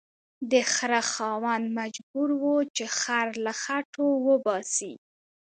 د خره خاوند مجبور و چې خر له خټو وباسي